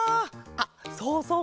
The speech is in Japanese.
あっそうそう